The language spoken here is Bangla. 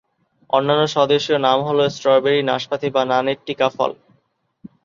অন্যান্য স্বদেশীয় নাম হলো স্ট্রবেরি নাশপাতি বা নানেট্টিকাফল।